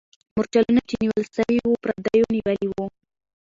مرچلونه چې نیول سوي وو، پردیو نیولي وو.